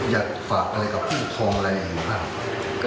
อยากฝากอะไรกับผู้ทองอะไรอย่างนี้ครับ